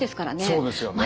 そうですよね。